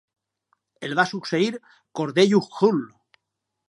El va succeir Cordell Hull.